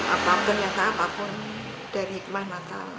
apapun yang terjadi apapun dari hikmah natal